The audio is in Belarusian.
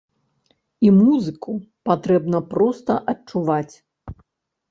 І музыку патрэбна проста адчуваць.